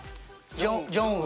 ジョンウ。